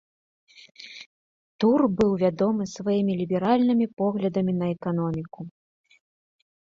Тур быў вядомы сваімі ліберальнымі поглядамі на эканоміку.